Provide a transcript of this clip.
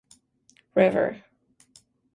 River.